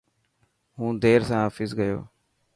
هون دير سان آفيس گيو.